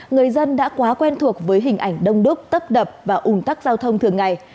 người dân đã quá quen thuộc với hình ảnh đông đúc tấp đập và ủn tắc giao thông thường ngày